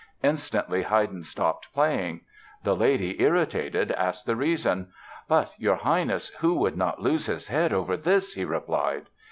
Instantly, Haydn stopped playing. The lady, irritated, asked the reason. "But, your Highness, who would not lose his head over this?" he replied.